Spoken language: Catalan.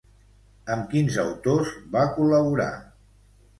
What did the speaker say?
Amb quins autors va col·laborar?